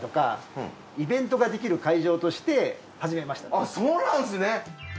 あっそうなんすね。